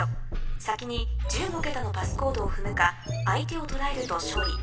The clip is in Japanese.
先に１５桁のパスコードを踏むか相手を捕らえると勝利。